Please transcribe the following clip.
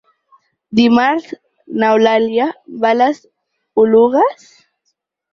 Dimarts n'Eulàlia va a les Oluges.